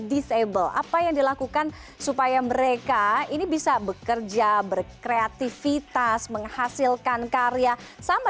disable apa yang dilakukan supaya mereka ini bisa bekerja berkreativitas menghasilkan karya sama